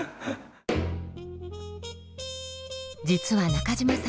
実は中嶋さん